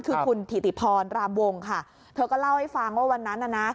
คือคุณถิติพรรามวงค่ะเธอก็เล่าให้ฟังว่าวันนั้นน่ะนะ